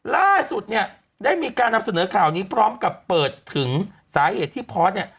ล่าสุดเนี่ยได้มีการนำเสนอข่าวนี้พร้อมกับเปิดถึงสาเหตุที่พอสเนี่ย